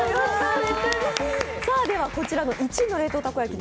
こちらの１位の冷凍たこ焼き